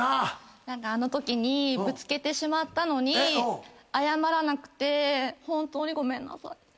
あのときにぶつけてしまったのに謝らなくて本当にごめんなさい。